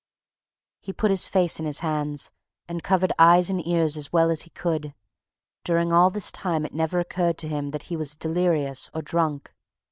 He put his face in his hands and covered eyes and ears as well as he could. During all this time it never occurred to him that he was delirious or drunk.